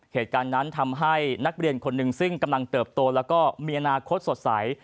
เหตุการณ์นั้นทำให้นักเรียนคนหนึ่งซึ่งกำลังเติบโตแล้วก็มีอนาคตสดใส